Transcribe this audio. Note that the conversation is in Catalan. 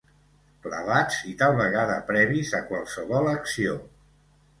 Clavats i tal vegada previs a qualsevol acció.